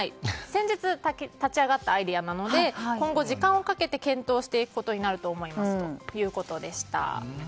先日立ち上がったアイデアなので今後、時間をかけて検討してくことになると思いますということでした。